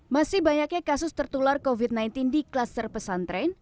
masih banyaknya kasus tertular covid sembilan belas di kluster pesantren